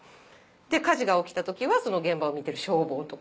火事が起きた時はその現場を見てる消防とか。